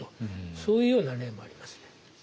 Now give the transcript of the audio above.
そういうような例もありますね。